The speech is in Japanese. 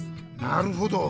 なるほど。